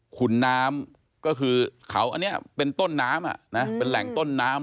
ขุนน้ำก็คือเขาอันนี้เป็นต้นน้ำเป็นแหล่งต้นน้ำ